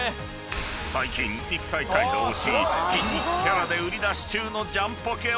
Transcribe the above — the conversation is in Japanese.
［最近肉体改造をし筋肉キャラで売り出し中のジャンポケおたけと］